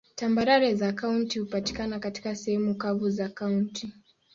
Tambarare za kaunti hupatikana katika sehemu kavu za kaunti.